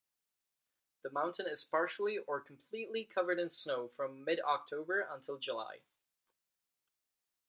The mountain is partially or completely covered in snow from mid-October until July.